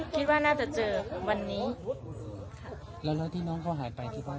คิดว่าน่าจะเจอวันนี้